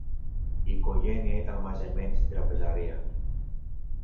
Η οικογένεια ήταν μαζεμένη στην τραπεζαρία